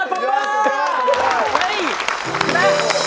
เชื่อว่า